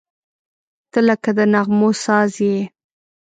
• ته لکه د نغمو ساز یې.